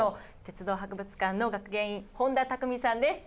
鉄道博物館の学芸員誉田匠さんです。